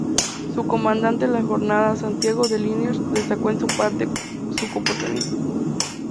Su comandante en la jornada, Santiago de Liniers, destacó en su parte su comportamiento.